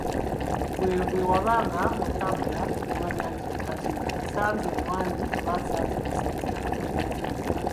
Ggwe bwe wabanga otambula ng‘omanya nti kati nsanze mwami oba nsanze musajja mukopi.